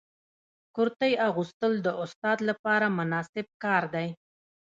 کرتۍ اغوستل د استاد لپاره مناسب کار دی.